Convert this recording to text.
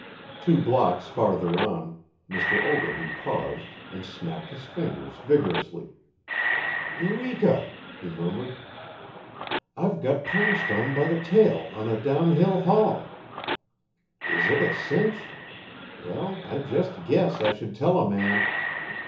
Two blocks farther on, Mr. Ogilvy paused and snapped his fingers vigorously. "Eureka!" he murmured. "I've got Poundstone by the tail on a downhill haul. Is it a cinch? Well, I just guess I should tell a man!"